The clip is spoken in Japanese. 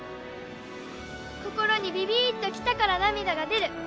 心にビビッとキタから涙が出る。